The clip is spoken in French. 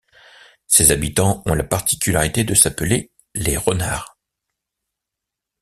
Ses habitants ont la particularité de s'appeler les Renards.